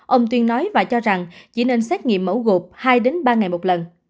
ông tuyên nói và cho rằng chỉ nên xét nghiệm mẫu gộp hai ba ngày một lần